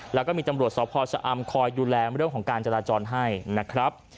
แล้วก็มีตำรวจสพชะอำคอยดูแลเรื่องของการจราจรให้นะครับ